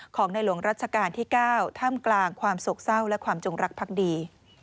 ของในหลวงรัชกาลที่๙ท่ามกลางความโศกเศร้าและความจงรักพักดี